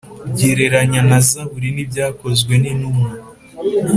gereranya na zaburi n ibyakozwe ni ntumwa